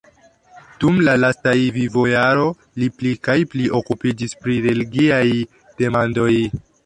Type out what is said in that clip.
Dum la lastaj vivojaro li pli kaj pli okupiĝis pri relgiaj demandoj.